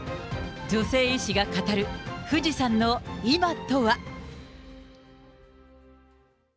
女性医師が語る富士山の今とは。